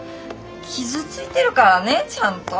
傷ついてるからねちゃんと！